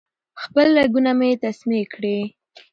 خپل رګونه مې تسمې کړې